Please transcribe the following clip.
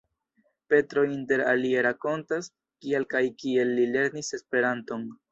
Petro inter alie rakontas kial kaj kiel li lernis Esperanton.